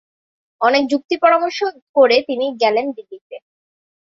অনেক যুক্তি পরামর্শ করে তিনি গেলেন দিল্লিতে।